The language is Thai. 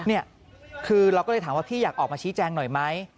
นี่คือเราก็เลยถามว่าพี่อยากออกมาชี้แจงหน่อยไหม